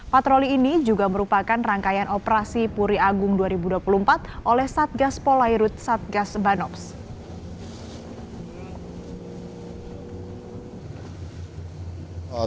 patroli ini juga merupakan rangkaian operasi puri agung dua ribu dua puluh empat oleh satgas polairut satgas banox